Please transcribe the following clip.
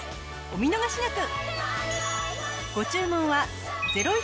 お見逃しなく！